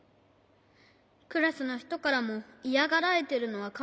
クラスのひとからもイヤがられてるのはかんじてるんだ。